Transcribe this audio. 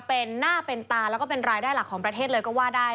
เป็นหน้าเป็นตาแล้วก็เป็นรายได้หลักของประเทศเลยก็ว่าได้